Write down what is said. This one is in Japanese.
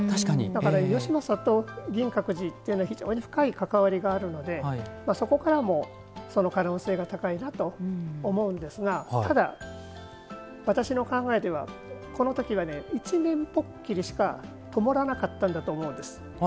だから、義政と銀閣寺は非常に深い関わりがあるのでそこからも、その可能性が高いなと思うんですがただ、私の考えではこの時は１年ぽっきりしか弔わなかったんだと思うんです。